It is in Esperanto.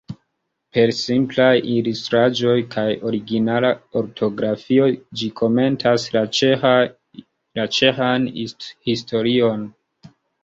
Per simplaj ilustraĵoj kaj originala ortografio ĝi komentas la ĉeĥan historion.